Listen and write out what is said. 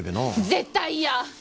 絶対嫌！